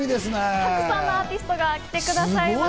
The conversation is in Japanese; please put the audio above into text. たくさんのアーティストが来てくださいます。